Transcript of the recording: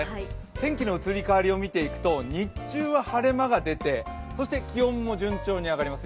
天気の移り変わりを見ていくと、日中は晴れ間が出て、そして、気温も順調に上がります